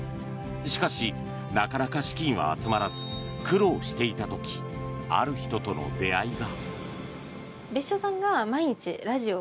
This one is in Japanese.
しかし、なかなか資金は集まらず苦労していた時ある人との出会いが。